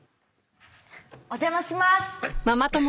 お邪魔します。